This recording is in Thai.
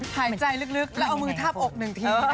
หายใจลึกแล้วเอามือทาบอกหนึ่งที